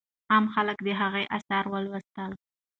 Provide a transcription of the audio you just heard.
عام خلک د هغې آثار ولوستل.